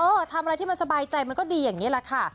ทำอะไรที่มันสบายใจมันก็ดีอย่างนี้แหละค่ะ